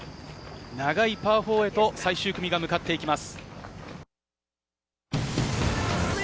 長いパー４へと最終組が向かっていきます。